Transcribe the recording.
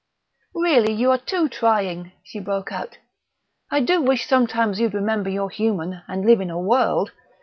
"Really, you are too trying!" she broke out. "I do wish sometimes you'd remember you're human, and live in a world!